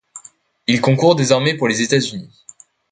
Il concourt désormais pour les États-Unis.